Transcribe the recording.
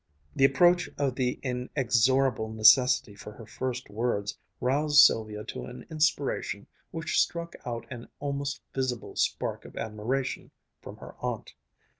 The approach of the inexorable necessity for her first words roused Sylvia to an inspiration which struck out an almost visible spark of admiration from her aunt.